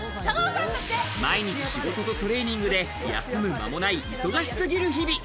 毎日仕事トレーニングで休む間もない、忙し過ぎる日々。